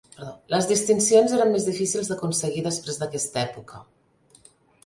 Les distincions eren més difícils d'aconseguir després d'aquesta època.